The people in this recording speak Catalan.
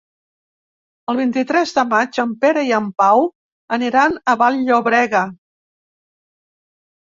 El vint-i-tres de maig en Pere i en Pau aniran a Vall-llobrega.